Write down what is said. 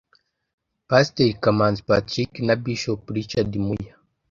Pasiteri Kamanzi Patrick na Bishop Richard Muya